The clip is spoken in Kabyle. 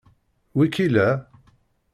Wi k-illa?